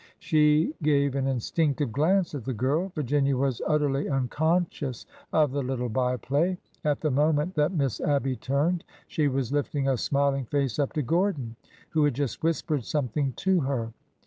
She gave an instinctive glance at the girl. Virginia was utterly unconscious of the little by play. At the moment that Miss Abby turned, she was lifting a smiling face up to Gordon, who had just whispered something to her.